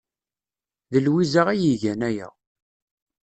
D Lwiza ay igan aya.